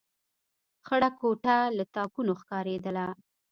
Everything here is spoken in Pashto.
خړه کوټه له تاکونو ښکارېدله.